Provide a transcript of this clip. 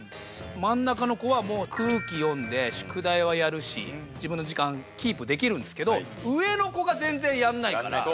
真ん中の子はもう空気読んで宿題はやるし自分の時間キープできるんですけど上の子が全然やんないから！